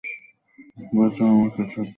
বাঁচাও আমাকে শার্লেট?